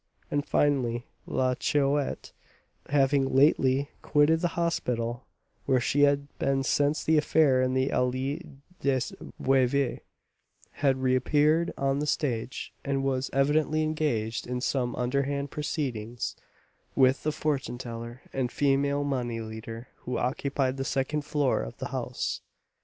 And, finally, La Chouette, having lately quitted the hospital, where she had been since the affair in the Allée des Veuves, had reappeared on the stage, and was evidently engaged in some underhand proceedings with the fortune teller and female money lender who occupied the second floor of the house.